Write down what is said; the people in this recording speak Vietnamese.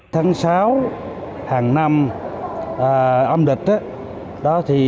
tháng sáu hàng năm âm địch